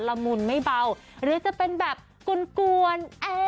ละมุนไม่เบาหรือจะเป็นแบบกลวน